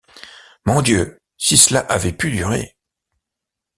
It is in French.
Mon Dieu ! si cela avait pu durer !